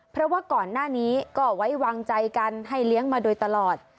เพราะว่าก่อนหน้านี้ก็ไว้วางใจกันให้เลี้ยงมาโดยตลอด